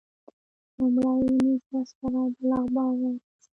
لومړۍ اونیزه سراج الاخبار راوویسته.